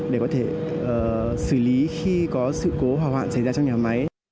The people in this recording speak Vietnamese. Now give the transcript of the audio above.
để có thể xử lý khi có sự cố hỏa hoạn xảy ra trong nhà máy